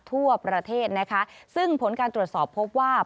ทั่วประเทศนะคะซึ่งผลการตรวจสอบพบว่า